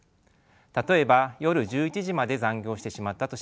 例えば夜１１時まで残業してしまったとします。